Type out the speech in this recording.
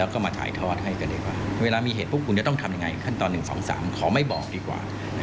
ขั้นตอน๑๒๓ขอไม่บอกดีกว่า